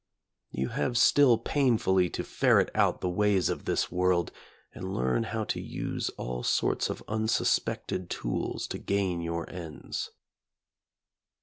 You have still painfully to fer ret out the ways of this world, and learn how to use all sorts of unsuspected tools to gain your ends.